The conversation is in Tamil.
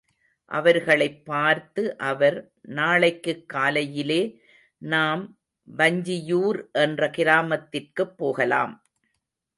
அவர்களைப் பார்த்து அவர், நாளைக்குக் காலையிலே நாம் வஞ்சியூர் என்ற கிராமத்திற்குப் போகலாம்.